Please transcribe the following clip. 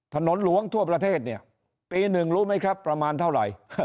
ถนนหลวงทั่วประเทศเนี่ยปีหนึ่งรู้ไหมครับประมาณเท่าไหร่